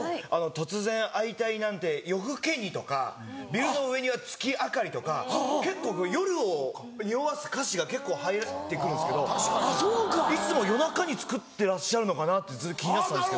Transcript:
「突然会いたいなんて夜更けに」とか「ビルの上には月明り」とか結構夜をにおわす歌詞が結構入ってくるんですけどいつも夜中に作ってらっしゃるのかなってずっと気になってたんですけど。